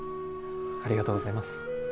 ありがとうございます。